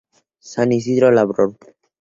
San Isidro Labrador.